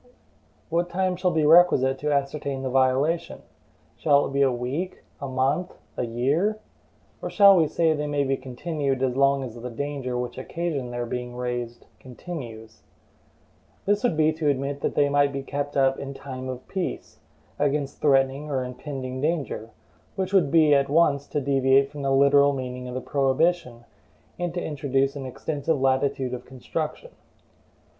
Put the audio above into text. What time shall be requisite to ascertain the violation? Shall it be a week, a month, a year? Or shall we say they may be continued as long as the danger which occasioned their being raised continues? This would be to admit that they might be kept up IN TIME OF PEACE, against threatening or impending danger, which would be at once to deviate from the literal meaning of the prohibition, and to introduce an extensive latitude of construction.